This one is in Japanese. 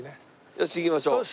よし行きましょう。